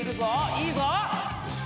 いいぞ！